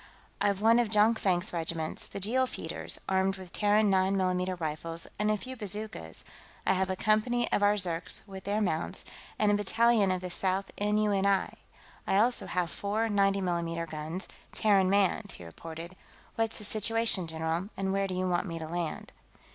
"I've one of Jonkvank's regiments, the Jeel Feeders, armed with Terran 9 mm rifles and a few bazookas; I have a company of our Zirks, with their mounts, and a battalion of the Sixth N.U.N.I.; I also have four 90 mm guns, Terran manned," he reported. "What's the situation, general, and where do you want me to land?"